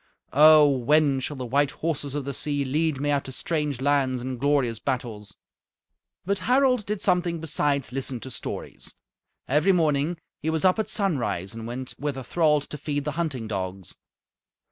Oh! when shall the white horses of the sea lead me out to strange lands and glorious battles?" But Harald did something besides listen to stories. Every morning he was up at sunrise and went with a thrall to feed the hunting dogs.